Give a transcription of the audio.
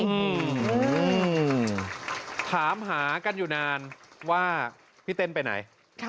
อืมถามหากันอยู่นานว่าพี่เต้นไปไหน